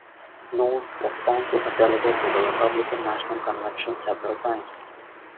Knowles was also a delegate to the Republican National Convention several times.